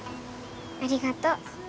ありがとう。